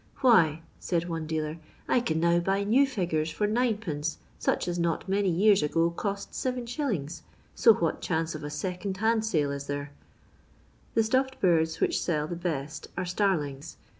"Why/' said one dealer, " I can now bay new 6gures for 9d., sach as not many years ago cost 7s., so what chance of a second hand sale IS there 1" The staffed birds which sell the best are starlings.